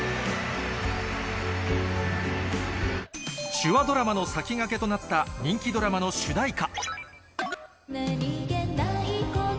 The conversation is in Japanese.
手話ドラマの先駆けとなった人気ドラマの主題歌。